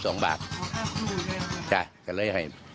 นั่นแหละ